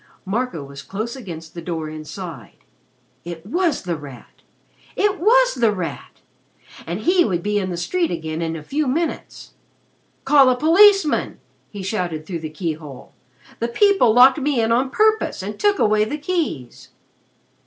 Marco was close against the door inside. It was The Rat! It was The Rat! And he would be in the street again in a few minutes. "Call a policeman!" he shouted through the keyhole. "The people locked me in on purpose and took away the keys."